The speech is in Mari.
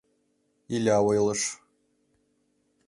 — Иля ойлыш.